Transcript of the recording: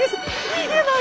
逃げないと！